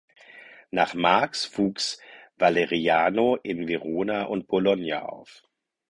Nach Marx wuchs Valeriano in Verona und Bologna auf.